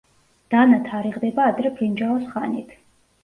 დანა თარიღდება ადრე ბრინჯაოს ხანით.